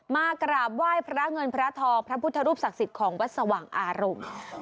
มากราบไหว้พระเงินพระทองพระพุทธรูปศักดิ์สิทธิ์ของวัดสว่างอารมณ์